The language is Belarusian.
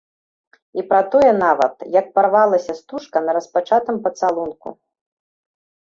І пра тое нават, як парвалася стужка на распачатым пацалунку.